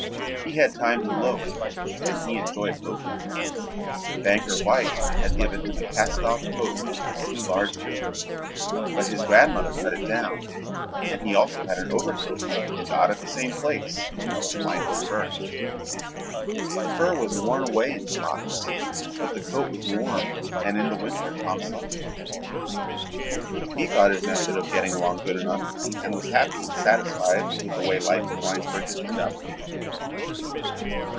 He had time to loaf and he enjoyed loafing. Banker White had given him a cast off coat which was too large for him, but his grandmother cut it down, and he had also an overcoat, got at the same place, that was lined with fur. The fur was worn away in spots, but the coat was warm and in the winter Tom slept in it. He thought his method of getting along good enough and was happy and satisfied with the way life in Winesburg had turned out for him.